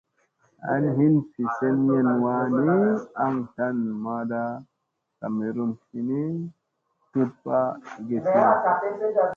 An hin fi semiyen ha wani, aŋ slan mada kamerun sli ni, tut pa egeziya.